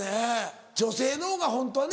女性のほうがホントはね